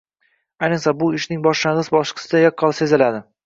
Ayniqsa bu ishning boshlang’ich bosqichida yaqqol seziladi.